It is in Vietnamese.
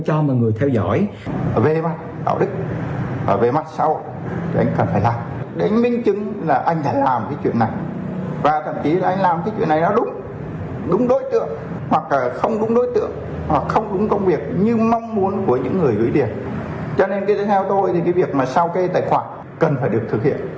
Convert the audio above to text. cho nên kia theo tôi thì cái việc mà sao kê tài khoản cần phải được thực hiện